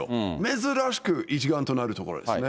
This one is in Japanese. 珍しく一丸となるところですね。